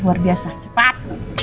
luar biasa cepat